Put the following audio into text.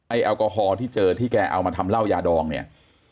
แอลกอฮอล์ที่เจอที่แกเอามาทำเหล้ายาดองเนี่ย